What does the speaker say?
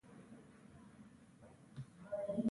ښه اخلاق د انسان غوره صفت دی.